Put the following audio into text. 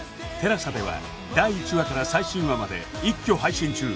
ＴＥＬＡＳＡ では第１話から最新話まで一挙配信中